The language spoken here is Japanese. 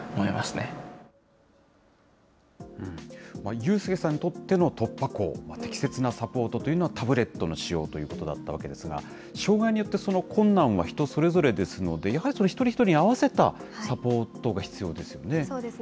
有祐さんにとっての突破口、適切なサポートというのは、タブレットの使用ということだったわけですが、障害によって、その困難は人それぞれですので、やはり一人一人に合わせたサポートが必要ですよね。